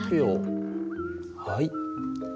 はい。